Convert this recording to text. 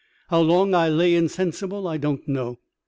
How long I lay insensible I don't know.